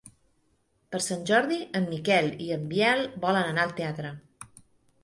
Per Sant Jordi en Miquel i en Biel volen anar al teatre.